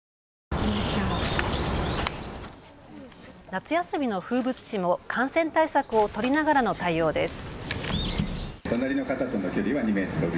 夏休みの風物詩も感染対策を取りながらの対応です。